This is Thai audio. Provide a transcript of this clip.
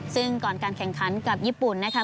ซึ่งก่อนการแข่งขันกับญี่ปุ่นนะคะ